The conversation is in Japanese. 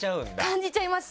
感じちゃいます。